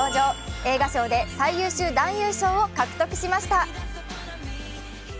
映画賞で最優秀男優賞を獲得しました。